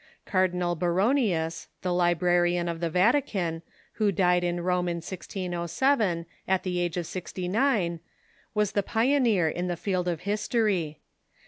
Cardinal Baronius, the librarian of the Vatican, who died in Rome in 1607, at the age of sixty nine, was the pioneer in the field of history.